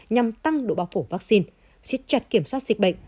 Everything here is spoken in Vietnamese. nhằm tăng độ bao phủ vaccine xích chặt kiểm soát dịch bệnh